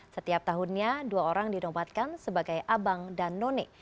setiap tahunnya dua orang dinobatkan sebagai abang dan none